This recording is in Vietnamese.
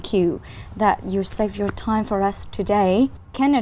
chủ tịch trung tâm justin trudeau